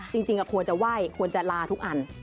จริงควรจะไหว้ควรจะลาทุกอัน